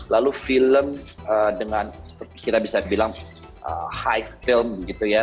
lalu film dengan seperti kita bisa bilang high film gitu ya